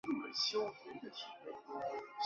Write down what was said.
伊斯特尔是法国的城市。